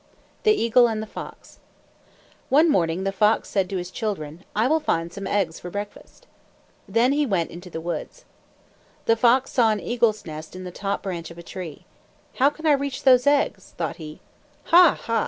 THE EAGLE AND THE FOX One morning the fox said to his children, "I will find some eggs for breakfast." Then he went to the woods. The fox saw an eagle's nest in the top branch of a tree. "How can I reach those eggs?" thought he. "Ha, ha!